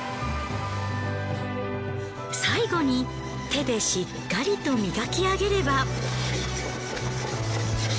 最後に手でしっかりと磨きあげれば。